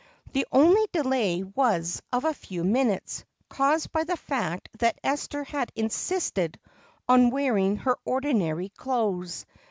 The only delay was of a few minutes, caused by the fact that Esther had insisted on wearing her ordinary clothes.